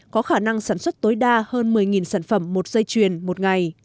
có khả năng sản xuất tối đa hơn một mươi sản phẩm một dây chuyền một ngày